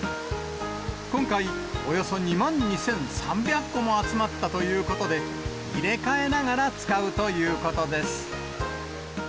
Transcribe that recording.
今回、およそ２万２３００個も集まったということで、入れ替えながら使うということです。